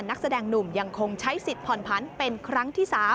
นักแสดงหนุ่มยังคงใช้สิทธิ์ผ่อนผันเป็นครั้งที่๓